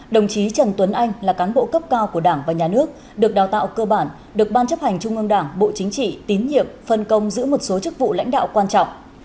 đồng chí trần tuấn anh là cán bộ cấp cao của đảng và nhà nước được đào tạo cơ bản được ban chấp hành trung ương đảng bộ chính trị tín nhiệm phân công giữ một số chức vụ lãnh đạo quan trọng